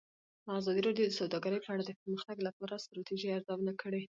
ازادي راډیو د سوداګري په اړه د پرمختګ لپاره د ستراتیژۍ ارزونه کړې.